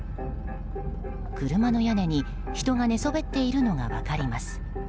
車の屋根に人が寝そべっているのが分かります。